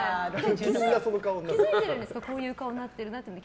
気づいてるんですかこういう顔になってるなって。